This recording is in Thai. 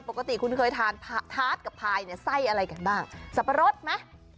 ปกติคุณเคยทานทาสกับพายเนี่ยไส้อะไรกันบ้างสับปะรดไหม